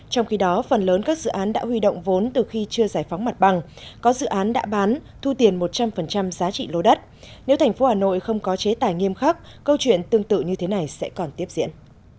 trong khi đó phần lớn các dự án đã huy động vốn từ khi chưa giải phóng mặt bằng có dự án đã bán thu tiền một trăm linh giá trị lô đất nếu thành phố hà nội không có chế tài nghiêm khắc câu chuyện tương tự như thế này sẽ còn tiếp diễn